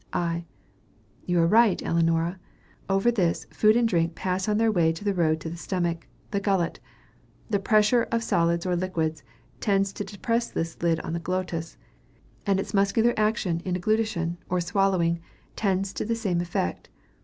I. You are right, Ellinora. Over this, food and drink pass on their way to the road to the stomach, the gullet. The pressure of solids or liquids tends to depress this lid on the glottis; and its muscular action in deglutition, or swallowing, tends to the same effect.